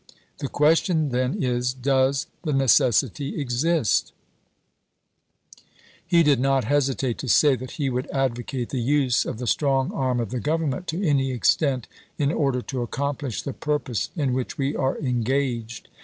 The question then is, does the necessity exist ? He did not hesitate to say that he would advocate the use of the strong arm of the Government to any extent in order to accomplish the purpose in which we are engaged.